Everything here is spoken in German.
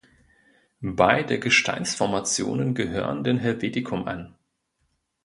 Beide Gesteinsformationen gehören dem Helvetikum an.